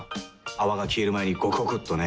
泡が消える前にゴクゴクっとね。